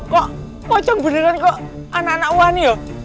kok pocong beneran kok anak anak wani loh